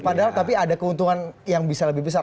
padahal tapi ada keuntungan yang bisa lebih besar